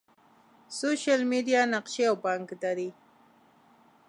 سوشل میډیا، نقشي او بانکداری